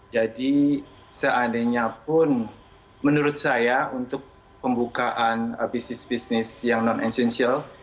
jadi seandainya pun menurut saya untuk pembukaan bisnis bisnis yang non essential